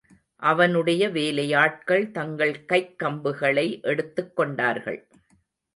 அவனுடைய வேலையாட்கள் தங்கள் கைக் கம்புகளை எடுத்துக்கொண்டார்கள்.